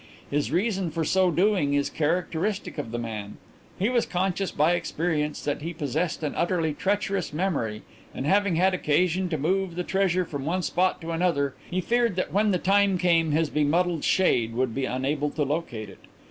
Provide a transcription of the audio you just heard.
His reason for so doing is characteristic of the man. He was conscious by experience that he possessed an utterly treacherous memory, and having had occasion to move the treasure from one spot to another he feared that when the time came his bemuddled shade would be unable to locate it.